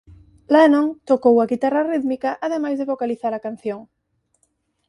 Lennon tocou a guitarra rítmica ademais de vocalizar a canción.